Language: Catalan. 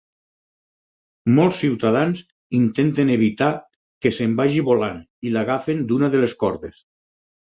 Molts ciutadans intenten evitar que se'n vagi volant i l'agafen d'una de les cordes.